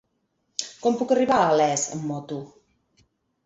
Com puc arribar a Les amb moto?